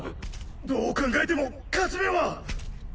どう考えても勝ち目は。